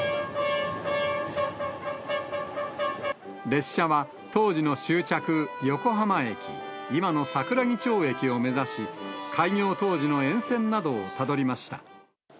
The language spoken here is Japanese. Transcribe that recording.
列車は、当時の終着、横浜駅、今の桜木町駅を目指し、開業当時の沿線などをたどりました。